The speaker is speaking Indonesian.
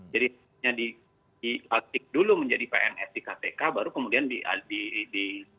jadi seharusnya diaktifkan dulu menjadi pns di kpk baru kemudian dipindah tugaskan